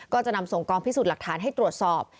ก็จะนำส่งกองพิสูจน์หลักฐานให้ตรวจสอบ